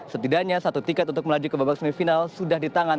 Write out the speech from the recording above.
setidaknya satu tiket untuk melaju ke babak semifinal sudah di tangan